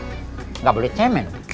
enggak boleh cemen